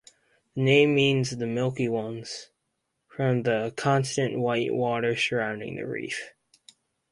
The name means "the milky ones", from the constant white water surrounding the reef.